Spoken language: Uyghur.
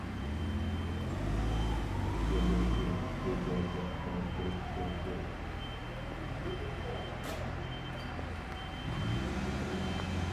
بۇندىن كېيىن بۇ جەھەتتە تېخىمۇ تىرىشىشىم كېرەك.